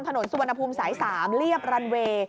ถนนสุวรรณภูมิสาย๓เรียบรันเวย์